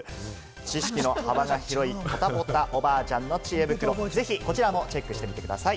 知識の幅が広いポタポタおばあちゃんの知恵袋、ぜひこちらもチェックしてみてください。